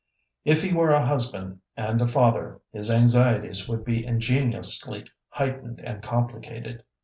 If he were a husband and a father, his anxieties would be ingeniously heightened and complicated.